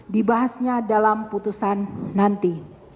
dibahasnya dalam putusan nanti